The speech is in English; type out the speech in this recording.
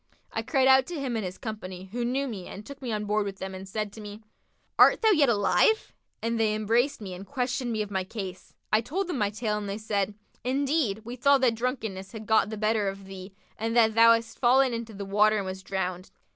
I cried out to him and his company who knew me and took me on board with them and said to me, 'Art thou yet alive?'; and they embraced me and questioned me of my case. I told them my tale and they said, 'Indeed, we thought that drunkenness had gotten the better of thee and that thou hadst fallen into the water and wast drowned.'